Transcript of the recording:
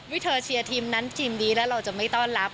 เธอเชียร์ทีมนั้นทีมนี้แล้วเราจะไม่ต้อนรับ